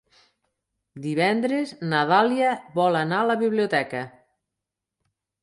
Divendres na Dàlia vol anar a la biblioteca.